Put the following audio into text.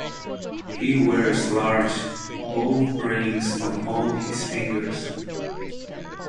He wears large gold rings on all his fingers.